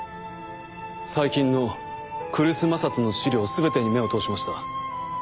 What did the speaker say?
最近の来栖正人の資料全てに目を通しました。